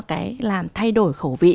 cái làm thay đổi khẩu vị